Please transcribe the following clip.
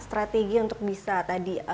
strategi untuk bisa tadi